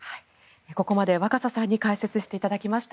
ここまで若狭さんに解説していただきました。